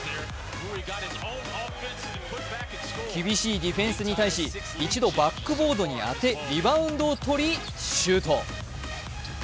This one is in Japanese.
厳しいディフェンスに対し一度バックボードに当てリバウンドを取り、シュート。